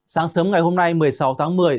sáng sớm ngày hôm nay một mươi sáu tháng một mươi